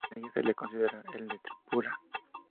En la India se lo considera el de Tripura.